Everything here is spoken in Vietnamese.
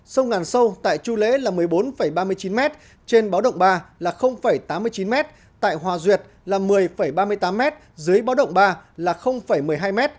sông ngàn sâu tại chu lễ là một mươi bốn ba mươi chín m trên báo động ba là tám mươi chín m tại hòa duyệt là một mươi ba mươi tám m dưới báo động ba là một mươi hai m